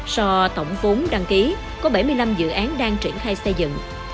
so tổng vốn đăng ký có bảy mươi năm dự án đang triển khai xây dựng